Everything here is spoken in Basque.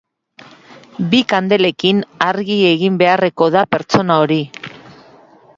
Bi kandelekin argi egin beharrekoa da pertsona hori